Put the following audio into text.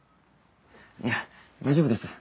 いや大丈夫です。